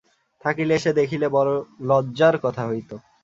থাকিলে সে দেখিলে বড় লজ্জার কথা হইত।